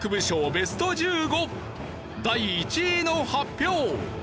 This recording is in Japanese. ベスト１５第１位の発表！